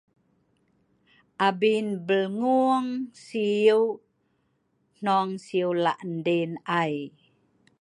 abin belngung siu hnong siu lak din ai